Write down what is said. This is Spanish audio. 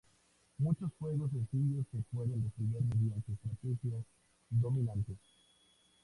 Muchos juegos sencillos se pueden resolver mediante estrategias dominantes.